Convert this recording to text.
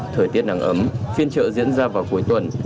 thời tiết nắng ấm phiên trợ diễn ra vào cuối tuần